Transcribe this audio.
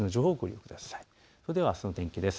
それではあすの天気です。